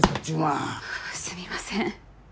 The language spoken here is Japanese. あぁすみません。